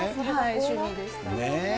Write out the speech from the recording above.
趣味でしたね。